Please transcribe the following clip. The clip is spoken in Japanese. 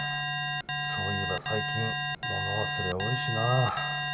そういえば最近物忘れ多いしな。